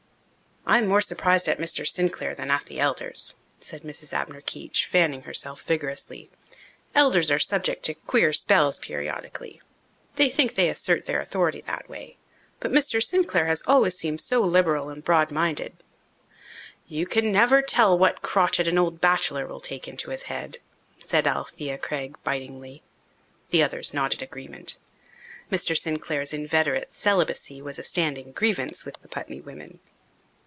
"I'm more surprised at Mr. Sinclair than at the elders," said Mrs. Abner Keech, fanning herself vigorously. "Elders are subject to queer spells periodically. They think they assert their authority that way. But Mr. Sinclair has always seemed so liberal and broad minded." "You never can tell what crotchet an old bachelor will take into his head," said Alethea Craig bitingly. The others nodded agreement. Mr. Sinclair's inveterate celibacy was a standing grievance with the Putney women.